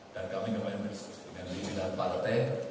dan kami kemarin berdiskusi dengan bibi dan pak lete